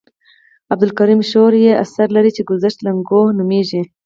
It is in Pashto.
عبدالکریم شرر یو اثر لري چې ګذشته لکنهو نومیږي.